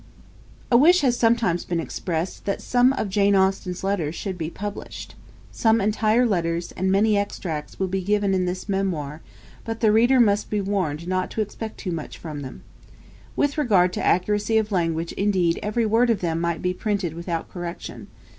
A wish has sometimes been expressed that some of Jane Austen's letters should be published. Some entire letters, and many extracts, will be given in this memoir; but the reader must be warned not to expect too much from them. With regard to accuracy of language indeed every word of them might be printed without correction.